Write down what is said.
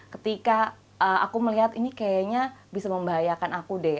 ketika aku melihat ini kayaknya bisa membahayakan aku deh